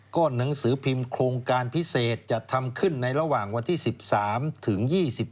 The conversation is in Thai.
ก็หนังสือพิมพ์โครงการพิเศษจัดทำขึ้นในระหว่างวันที่๑๓ถึง๒๕